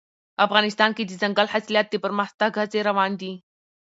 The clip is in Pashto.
افغانستان کې د دځنګل حاصلات د پرمختګ هڅې روانې دي.